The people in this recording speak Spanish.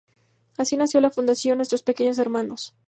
Así nació la fundación Nuestros Pequeños Hermanos.